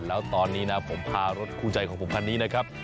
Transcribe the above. แล้วตอนนี้นะผมพารถคู่ใจของผมคันนี้นะครับ